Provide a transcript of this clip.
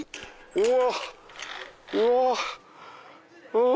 うわ